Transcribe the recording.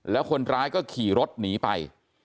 แล้วคนร้ายก็ขี่รถหนีไป